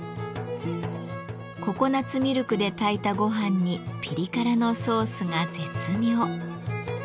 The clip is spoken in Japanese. ココナツミルクで炊いたごはんにピリ辛のソースが絶妙。